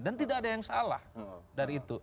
dan tidak ada yang salah dari itu